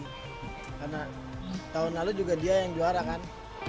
karena tahun lalu juga dia yang juara kan